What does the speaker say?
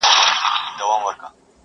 چوروندوک چي هم چالاکه هم هوښیار دی،